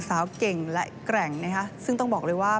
ไม่เลวเหลือแย่